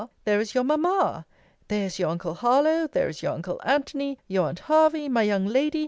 there is your mamma! there is your uncle Harlowe! there is your uncle Antony! your aunt Hervey! my young lady!